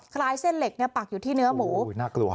คล้ายเส้นเหล็กเนี่ยปักอยู่ที่เนื้อหมูน่ากลัว